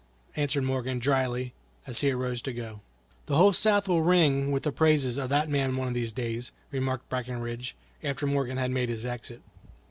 answered Morgan, dryly, as he arose to go. "The whole South will ring with the praises of that man one of these days," remarked Breckinridge, after Morgan had made his exit.